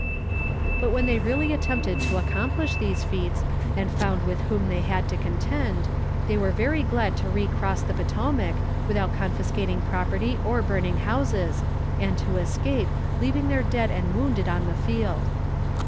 But when they really attempted to accomplish these feats, and found with whom they had to contend, they were very glad to re cross the Potomac, without confiscating property or burning houses, and to escape, leaving their dead and wounded on the field.